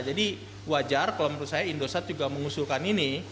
jadi wajar kalau menurut saya indosat juga mengusulkan ini